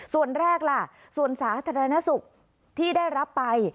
ส่วนแรกล่ะส่วนสาธารณสุขที่ได้รับไป